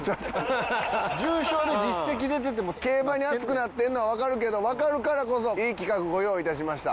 競馬に熱くなってるのはわかるけどわかるからこそいい企画ご用意致しました。